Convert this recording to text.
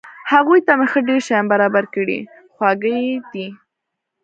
هغوی ته مې ښه ډېر شیان برابر کړي، خواږه یې دي.